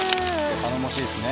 頼もしいですね。